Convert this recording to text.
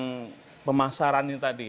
tentang pemasaran ini tadi